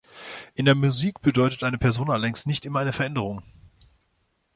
In der Musik bedeutet eine Persona allerdings nicht immer eine Veränderung.